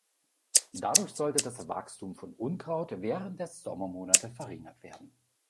Dadurch sollte das Wachstum von Unkraut während der Sommermonate verringert werden.